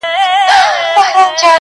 علومو زدکړې ته اړتیا داسې ده